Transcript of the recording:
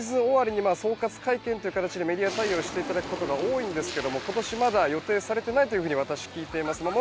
シーズン終わりに総括会見という形でメディア対応していただくことが多いんですが今年まだ予定されてないというふうに私聞いています。